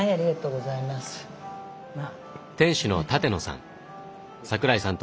店主の舘野さん。